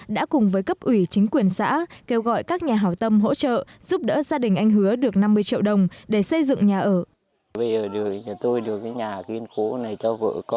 đã cùng với cấp ủy chính quyền xã kêu gọi các nhà hảo tâm hỗ trợ giúp đỡ gia đình anh hứa được năm mươi triệu đồng để xây dựng nhà ở